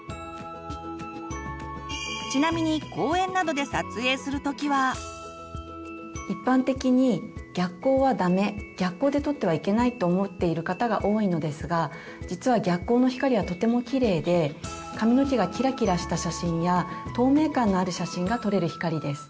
ちなみに一般的に逆光はダメ逆光で撮ってはいけないと思っている方が多いのですが実は逆光の光はとてもきれいで髪の毛がキラキラした写真や透明感のある写真が撮れる光です。